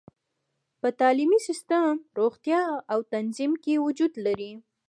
په تعلیمي سیستم، روغتیا او تنظیم کې وجود لري.